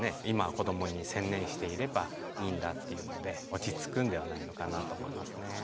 今は子どもに専念していればいいんだっていうので落ち着くんではないのかなと思いますね。